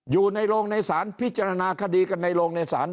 อยู่ในโรงในศาลพิจารณาคดีกันในโรงในศาล